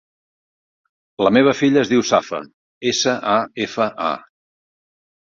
La meva filla es diu Safa: essa, a, efa, a.